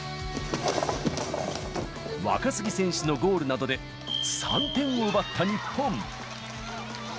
若杉選手のゴールなどで、３点を奪った日本。